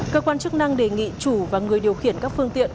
cơ quan chức năng đề nghị chủ và người điều khiển các phương tiện